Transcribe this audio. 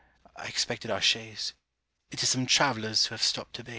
I expected our chaise. It is some travellers who have stopped to bait.